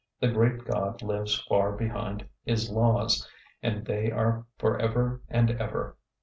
The great God lives far behind His laws, and they are for ever and ever.